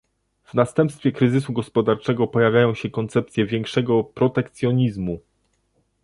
W następstwie kryzysu gospodarczego pojawiają się koncepcje większego protekcjonizmu